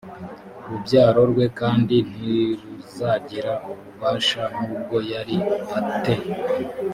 rubyaro rwe l kandi ntibuzagira ububasha nk ubwo yari a te